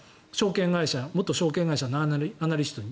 元証券会社のアナリストに。